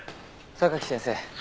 榊先生